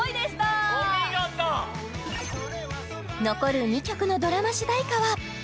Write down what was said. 残る２曲のドラマ主題歌は？